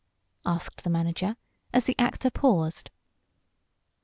asked the manager, as the actor paused.